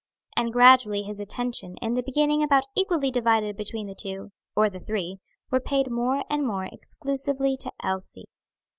And gradually his attention, in the beginning about equally divided between the two, or the three, were paid more and more exclusively to Elsie.